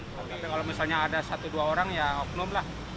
tapi kalau misalnya ada satu dua orang ya oknum lah